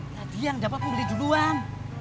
ya diam dapat pun beli duluan